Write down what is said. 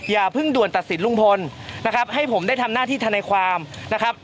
อย่าเพิ่งด่วนตัดสินลุงพลนะครับให้ผมได้ทำหน้าที่ธนายความนะครับ